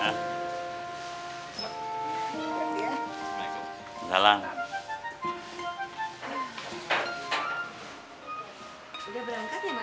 udah berangkat ya mak si robby ya